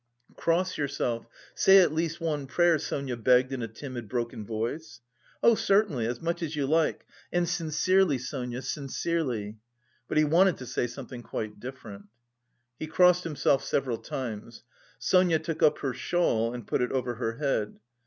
"Cross yourself, say at least one prayer," Sonia begged in a timid broken voice. "Oh certainly, as much as you like! And sincerely, Sonia, sincerely...." But he wanted to say something quite different. He crossed himself several times. Sonia took up her shawl and put it over her head.